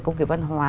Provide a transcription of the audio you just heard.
công nghiệp văn hóa